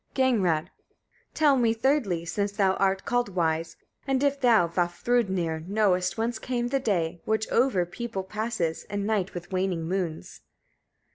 Gagnrâd. 24. Tell me thirdly, since thou art called wise, and if thou, Vafthrûdnir! knowest, whence came the day, which over people passes, and night with waning moons?